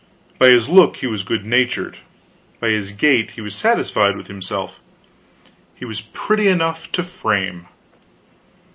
By his look, he was good natured; by his gait, he was satisfied with himself. He was pretty enough to frame.